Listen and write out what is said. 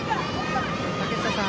竹下さん